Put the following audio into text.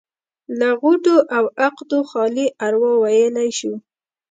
له غوټو او عقدو خالي اروا ويلی شو.